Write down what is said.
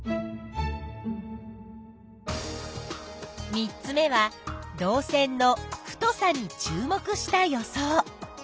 ３つ目は導線の「太さ」に注目した予想。